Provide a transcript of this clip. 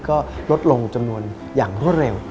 ก็ลดลงจำนวนอย่างรวดเร็ว